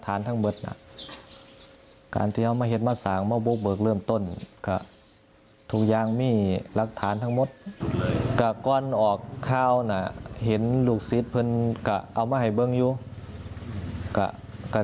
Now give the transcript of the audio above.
ท่าข้าวบลงบอกจากท่าของคิญวาย